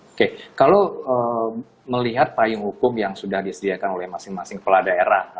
oke kalau melihat payung hukum yang sudah disediakan oleh masing masing kepala daerah